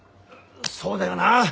そうだよな！